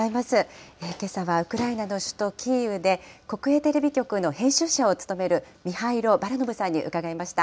けさはウクライナの首都キーウで、国営テレビ局の編集者を務めるミハイロ・バラノブさんに伺いました。